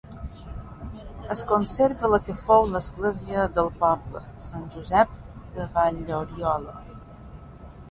Es conserva la que fou església del poble, Sant Josep de Valloriola.